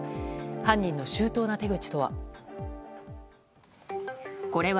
犯人の周到な手口とは。